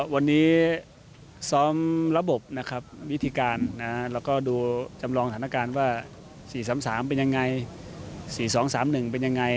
วันนี้ซ้อมระบบนะครับวิธีการแล้วก็ดูจำลองสถานการณ์ว่า๔๓๓เป็นยังไง๔๒๓๑เป็นยังไง